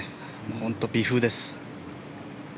本当、微風です。